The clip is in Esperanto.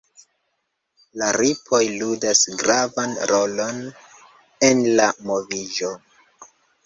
La ripoj ludas gravan rolon en la moviĝo.